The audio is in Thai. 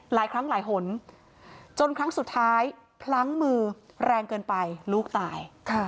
หลายครั้งหลายหนจนครั้งสุดท้ายพลั้งมือแรงเกินไปลูกตาย